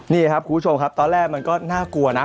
นี่ครับคุณผู้ชมครับตอนแรกมันก็น่ากลัวนะ